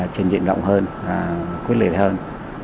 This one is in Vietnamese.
trình diện động hơn quyết liệt hơn